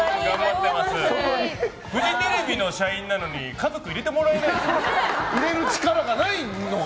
フジテレビの社員なのに家族入れてもらえないんですか？